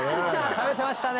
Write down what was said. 食べてましたね。